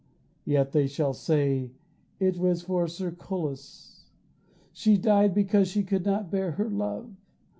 Yet they shall say: "It was for Cercolas; She died because she could not bear her love."